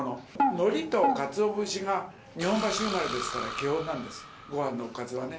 のりとかつお節が日本橋生まれですから基本なんです、ごはんのおかずはね。